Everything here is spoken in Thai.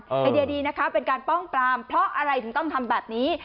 ไอเดียดีนะคะเป็นการป้องปรามเพราะอะไรถึงต้องทำแบบนี้